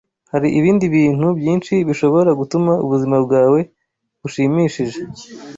hari ibindi bintu byinshi bishobora gutuma ubuzima bwawe bushimishije